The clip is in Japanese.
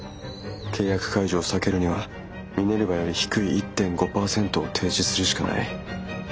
契約解除を避けるにはミネルヴァより低い１．５％を提示するしかない。